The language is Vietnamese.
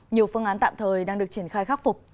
nhiều phương án tạm thời đang được triển khai khắc phục